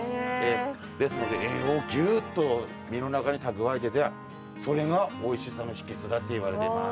ですので栄養をぎゅっと身の中に蓄えててそれがおいしさの秘訣だっていわれています。